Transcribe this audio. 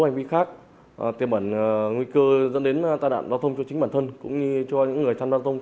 hành vi khác tiềm bẩn nguy cơ dẫn đến tai nạn giao thông cho chính bản thân cũng như cho những người